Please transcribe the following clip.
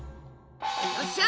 よっしゃ！